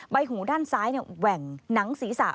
ใบหูด้านซ้ายเนี่ยแหว่งหนังศรีษะ